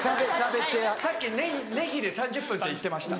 さっきネギで３０分って言ってました。